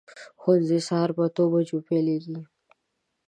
ښوونځی سهار په اتو بجو پیلېږي.